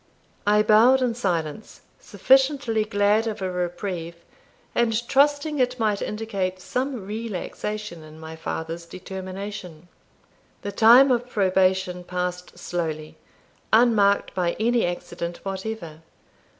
I bowed in silence, sufficiently glad of a reprieve, and trusting it might indicate some relaxation in my father's determination. The time of probation passed slowly, unmarked by any accident whatever.